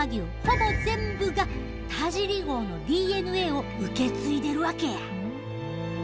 ほぼ全部が田尻号のＤＮＡを受け継いでるわけや。